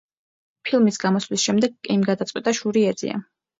ფილმის გამოსვლის შემდეგ კეიმ გადაწყვიტა „შური ეძია“.